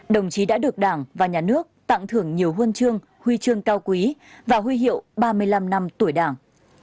đồng chí đã được đảng và nhà nước tặng thưởng nhiều huân chương huy chương cao quý và huy hiệu ba mươi năm năm tuổi đảng